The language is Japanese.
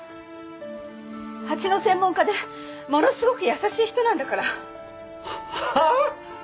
蜂の専門家でものすごく優しい人なんだから。はあ？